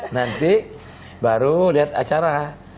nanti baru lihat acara